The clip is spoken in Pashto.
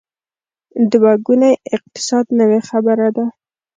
دوه ګونی اقتصاد نوې خبره ده.